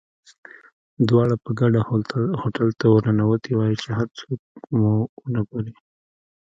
دواړه په ګډه هوټل ته ورننوتي وای، چې څوک مو ونه ګوري.